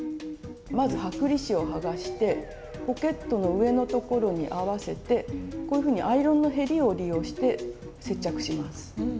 まず剥離紙を剥がしてポケットの上のところに合わせてこういうふうにアイロンのへりを利用して接着します。